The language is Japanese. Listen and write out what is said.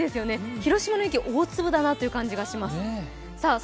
広島の雪、大粒だなという感じがします。